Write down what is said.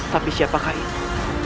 tapi siapakah itu